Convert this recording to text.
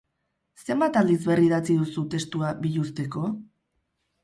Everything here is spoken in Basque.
Zenbat aldiz berridatzi duzu testua, biluzteko?